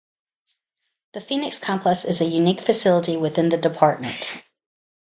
The Phoenix Complex is a unique facility within the Department.